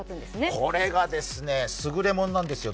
これがすぐれものなんですよね。